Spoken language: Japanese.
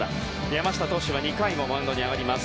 山下投手は２回もマウンドに上がります。